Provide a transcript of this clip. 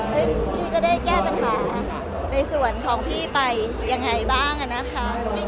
พี่ก็ได้แก้ปัญหาในส่วนของพี่ไปยังไงบ้างอะนะคะ